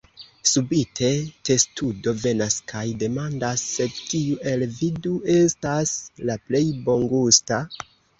Subite, testudo venas kaj demandas: "Sed kiu el vi du estas la plej bongusta?"